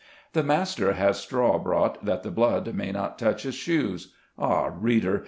The master has straw brought, that the blood may not touch his shoes. Ah, reader